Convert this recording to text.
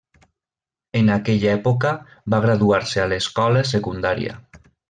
En aquella època va graduar-se a l'escola secundària.